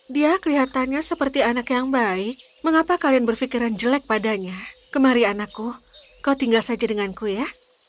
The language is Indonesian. dia kelihatannya seperti anak yang baik mengapa kalian berpikiran jelek padanya kemari anakku kau tinggal saja denganku ya